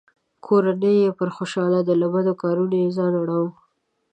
کورنۍ یې پرې خوشحاله ده؛ له بدو کارونو یې ځان اړووه.